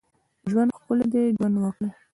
ژوند ښکلی دی ، ژوند وکړئ